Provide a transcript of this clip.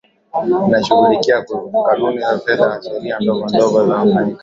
inashughulikia kanuni za fedha na sheria ndogo ndogo za wafanyakazi